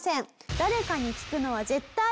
誰かに聞くのは絶対嫌。